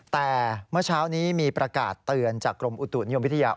แต่เมื่อเช้านี้มีประกาศเตือนจากกรมอุตุนิยมวิทยา